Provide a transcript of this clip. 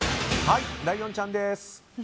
ライオンちゃんです。